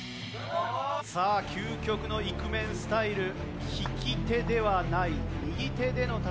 さあ究極のイクメンスタイル利き手ではない右手での戦いとなります。